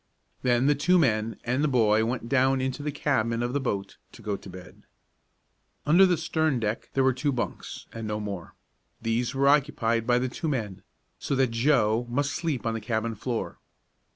Then the two men and the boy went down into the cabin of the boat to go to bed. Under the stern deck there were two bunks, and no more. These were occupied by the two men, so that Joe must sleep on the cabin floor.